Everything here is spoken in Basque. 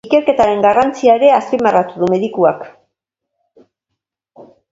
Ikerketaren garrantzia ere azpimarratu du medikuak.